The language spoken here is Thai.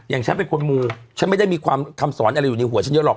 อย่างฉันเป็นคนมูฉันไม่ได้มีความคำสอนอะไรอยู่ในหัวฉันเยอะหรอก